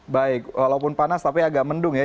baik walaupun panas tapi agak mendung ya